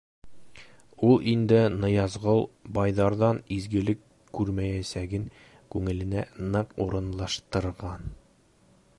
Ул инде Ныязғол байҙарҙан изгелек күрмәйәсәген күңеленә ныҡ урынлаштырған.